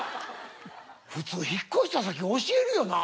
普通引っ越した先教えるよな？